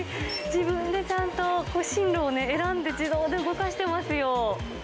自分でちゃんと進路をね、選んで、自動で動かしてますよ。